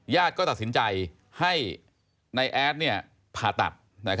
ก็ตัดสินใจให้นายแอดผ่าตัด